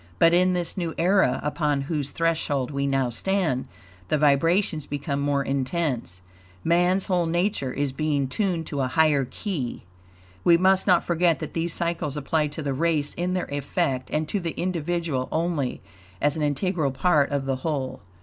But in this new era, upon whose threshold we now stand, the vibrations become more intense. Man's whole nature is being tuned to a higher key. We must not forget that these cycles apply to the race in their effect, and to the individual only as an integral part of the whole.